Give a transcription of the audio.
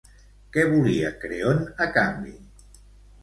Què volia Creont a canvi?